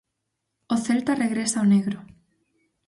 O Celta regresa ao negro.